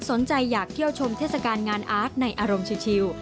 สนใจอยากเที่ยวชมเทศกาลงานอาร์ตในอารมณ์ชิว